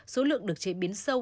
số lượng được chế biến sâu